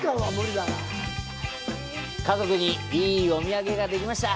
家族にいいお土産ができました。